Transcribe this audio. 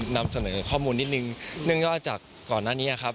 นำเสนอข้อมูลนิดนึงเนื่องจากก่อนหน้านี้ครับ